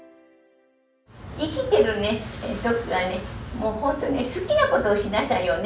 生きてるときはね、もう本当、好きなことをしなさいよね。